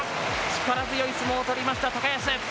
力強い相撲を取りました、高安。